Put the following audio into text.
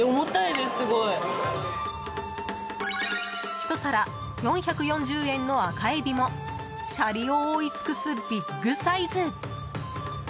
１皿４４０円の赤エビもシャリを覆い尽くすビッグサイズ。